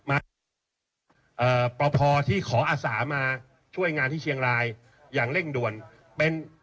เอ่อปภที่ขออาสามาช่วยงานที่เชียงรายอย่างเร่งด่วนเป็น